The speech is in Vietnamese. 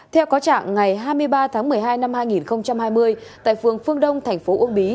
theo có trạng ngày hai mươi ba tháng một mươi hai năm hai nghìn hai mươi tại phường phương đông thành phố uông bí